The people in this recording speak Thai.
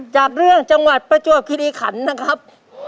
จากเรื่องจังหวัดประจวบคิริขันนะครับ